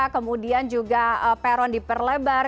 kemudian juga peron diperlebar